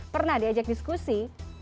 pernah diajak diskusi